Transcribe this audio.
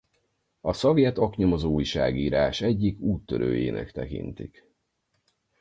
A szovjet oknyomozó újságírás egyik úttörőjének tekintik.